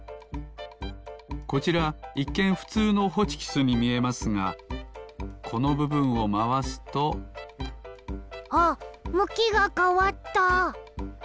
こちらいっけんふつうのホチキスにみえますがこのぶぶんをまわすとあっむきがかわった！